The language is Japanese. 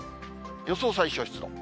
予想最小湿度。